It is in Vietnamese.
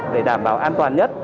để đảm bảo an toàn nhất